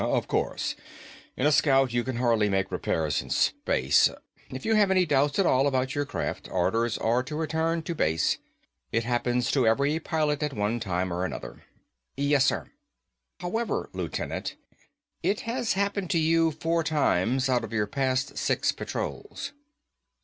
"Ummm, of course. In a Scout you can hardly make repairs in space. If you have any doubts at all about your craft, orders are to return to base. It happens to every pilot at one time or another." "Yes, sir." "However, Lieutenant, it has happened to you four times out of your last six patrols."